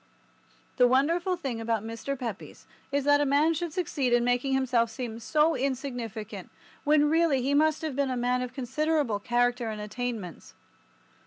The wonderful thing about Mr. Pepys is that a man should succeed in making himself seem so insignificant when really he must have been a man of considerable character and attainments.